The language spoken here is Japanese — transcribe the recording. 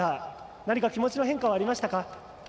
何か気持ちの変化はありましたか。